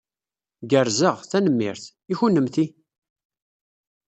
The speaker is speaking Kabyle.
Gerrzeɣ, tanemmirt. I kennemti?